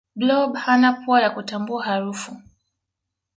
blob hana pua ya kutambua harufu